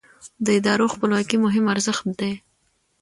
د ادارو خپلواکي مهم ارزښت دی